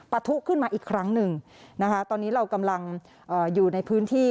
ทุขึ้นมาอีกครั้งหนึ่งนะคะตอนนี้เรากำลังอยู่ในพื้นที่